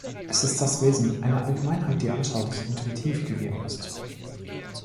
Es ist das Wesen, eine Allgemeinheit, die anschaulich, intuitiv gegeben ist.